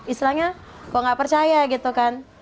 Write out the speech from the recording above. istilahnya kok nggak percaya gitu kan